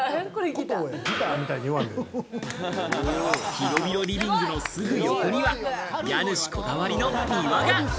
広々リビングのすぐ横には家主こだわりの庭が。